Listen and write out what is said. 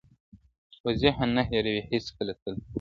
خو ذهن نه هېرېږي هېڅکله تل,